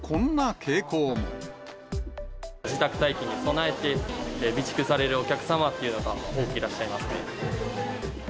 自宅待機に備えて、備蓄されるお客様っていうのが多くいらっしゃいますね。